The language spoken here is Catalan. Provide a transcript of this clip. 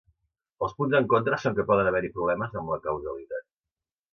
Els punts en contra són que poden haver-hi problemes amb la causalitat.